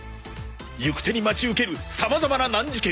行く手に待ち受けるさまざまな難事件